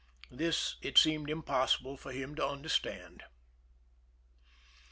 This it seemed impossible for him to understand.